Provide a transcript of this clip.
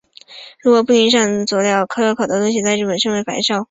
如果不淋上佐料烧烤的东西在日本称为白烧。